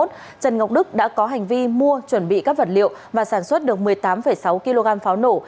trần ngọc đức đã có hành vi mua chuẩn bị các vật liệu và sản xuất được một mươi tám sáu kg pháo nổ